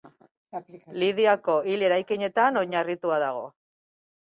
Lidiako hil eraikinetan oinarritua dago.